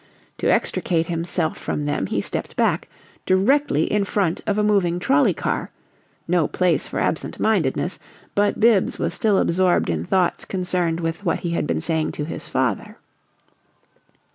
To extricate himself from them he stepped back, directly in front of a moving trolley car no place for absent mindedness, but Bibbs was still absorbed in thoughts concerned with what he had been saying to his father.